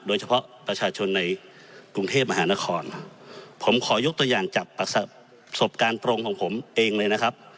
โดยเฉพาะประชาชนในกรุงเทพมหานครผมขอยกตัวอย่างจากประสบการณ์ตรงของผมเองเลยนะครับ